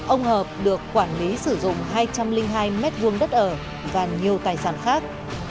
ông hợp được quản lý sử dụng hai trăm linh hai m hai đất ở và nhiều tài sản khác